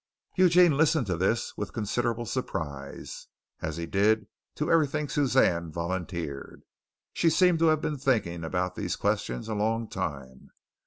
Eugene listened to this with considerable surprise, as he did to everything Suzanne volunteered. She seemed to have been thinking about these questions a long time.